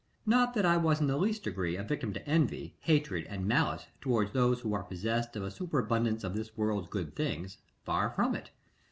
Not that I was in the least degree a victim to envy, hatred, and malice towards those who are possessed of a superabundance of this world's good things far from it.